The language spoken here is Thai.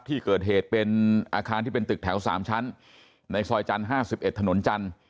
ที่เกิดเหตุเป็นอาคารที่เป็นตึกแถว๓ชั้นในซอยจันทร์๕๑ถนนจันทร์